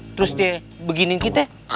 terus dia beginin kita